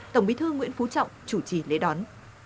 tổng bí thư nguyễn phú trọng chủ trì lễ đón